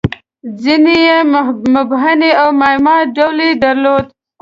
• ځینې یې مبهمې او معما ډوله دي.